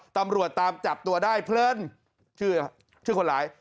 ตำรวจตามจับตัวได้เพลินชื่อคนร้าย